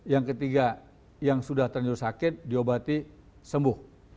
yang ketiga yang sudah terlalu sakit diobati sembuh